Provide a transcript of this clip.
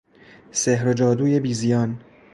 سحر و جادوی بیزیان